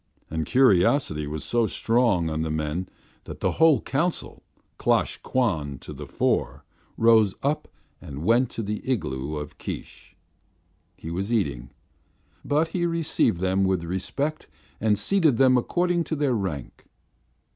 And curiosity was so strong on the men that the whole council, Klosh Kwan to the fore, rose up and went to the igloo of Keesh. He was eating, but he received them with respect and seated them according to their rank.